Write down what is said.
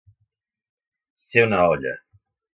Ser una olla.